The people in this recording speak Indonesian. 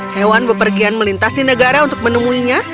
hewan bepergian melintasi negara untuk menemuinya